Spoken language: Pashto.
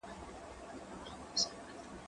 کېدای سي وخت لنډ وي